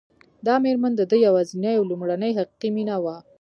دا مېرمن د ده یوازېنۍ او لومړنۍ حقیقي مینه وه